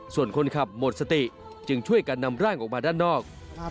ส่วนคนขับหมดสติจึงช่วยกันนำร่างออกมาด้านนอก